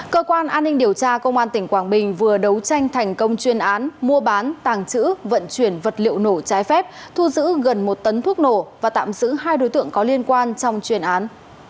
cơ quan an ninh điều tra công an tỉnh quảng bình vừa đấu tranh thành công chuyên án mua bán tàng trữ vận chuyển vật liệu nổ trái phép thu giữ gần một tấn thuốc nổ và tạm giữ hai đối tượng có liên quan trong chuyên án